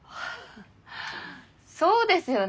そうですよね。